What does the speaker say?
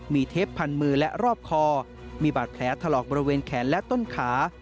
มีเทปพันมือและรอบคอมีบาดแผลถลอกบริเวณแขนและต้นขา